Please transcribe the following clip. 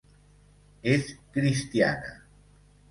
És cristiana.